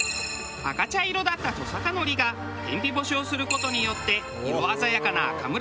赤茶色だったトサカノリが天日干しをする事によって色鮮やかな赤紫色に。